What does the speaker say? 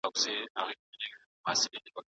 ځینې کسان د کلسترول بدلون احساسوي.